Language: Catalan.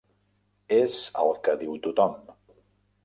És el que diu tothom.